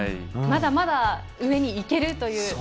まだまだ上にいけるという。